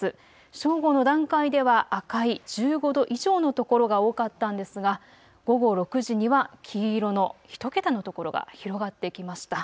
正午の段階では赤い１５度以上の所が多かったんですが午後６時には黄色の１桁の所が広がってきました。